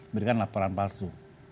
berikan laporan palsu